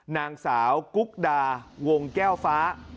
นางสาวกุ๊กดาวงแก้วฟ้า